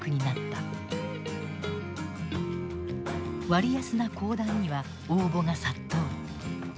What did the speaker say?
割安な公団には応募が殺到。